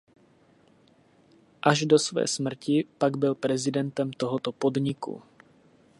Až do své smrti pak byl prezidentem tohoto podniku.